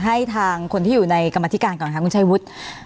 ให้ทางคนที่อยู่ในกรรมธิการก่อนค่ะคุณชัยวุฒิ